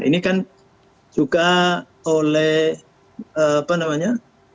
ini kan juga oleh apa namanya